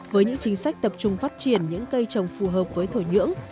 với những chính sách tập trung phát triển những cây trồng phù hợp với thổi nhưỡng